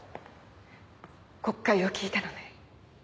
告解を聞いたのね？